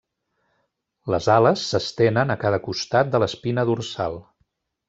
Les ales s'estenen a cada costat de l'espina dorsal.